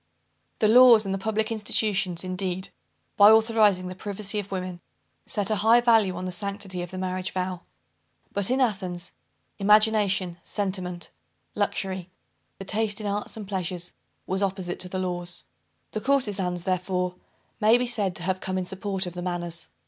The laws and the public institutions, indeed, by authorizing the privacy of women, set a high value on the sanctity of the marriage vow. But in Athens, imagination, sentiment, luxury, the taste in arts and pleasures, was opposite to the laws. The courtezans, therefore may be said to have come in support of the manners.